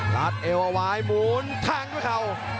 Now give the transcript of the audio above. ลัดเอวไว้หมุนทางเข้า